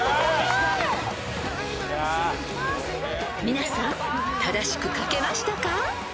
［皆さん正しく書けましたか？］